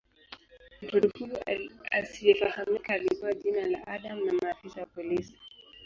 Mtoto huyu asiyefahamika alipewa jina la "Adam" na maafisa wa polisi.